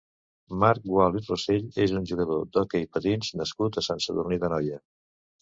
Marc Gual i Rossell és un jugador d'hoquei patins nascut a Sant Sadurní d'Anoia.